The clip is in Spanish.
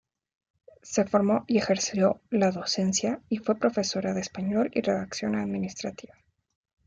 Se formó y ejerció la docencia y fue profesora de español y redacción administrativa.